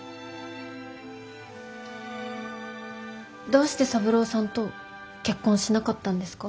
どうして三郎さんと結婚しなかったんですか？